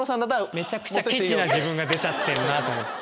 めちゃくちゃケチな自分が出ちゃってるなと思って。